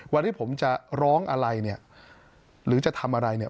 วันที่ผมจะร้องอะไรเนี่ยหรือจะทำอะไรเนี่ย